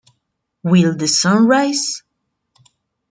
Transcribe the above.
Will The Sun Rise?